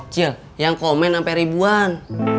cil yang komen sampai ribuan